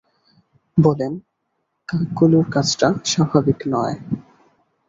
বলেন, কাকগুলোর কাজটা স্বাভাবিক নয়।